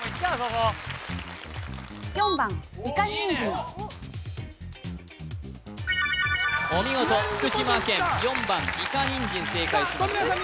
ここお見事福島県４番いかにんじん正解しましたさあ